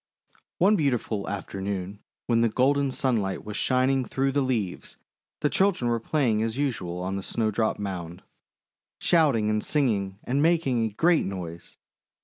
One beautiful afternoon when the golden sunlight was shining through the leaves, the children were playing as usual on the Snowdrop Mound, shouting and singing and making a great noise.